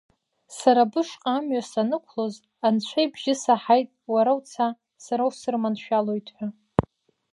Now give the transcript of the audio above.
Сара бышҟа амҩа санықәлоз, Анцәа ибжьы саҳаит уара уца, сара усырманшәалоит ҳәа…